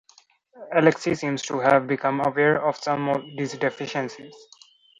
Alexei seems to have become aware of some these deficiencies.